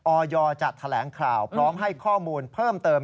อยจัดแถลงข่าวพร้อมให้ข้อมูลเพิ่มเติม